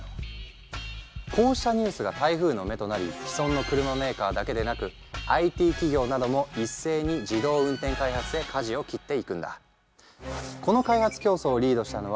こうしたニュースが台風の目となり既存の車メーカーだけでなくＩＴ企業なども一斉に自動運転開発へかじを切っていくんだ。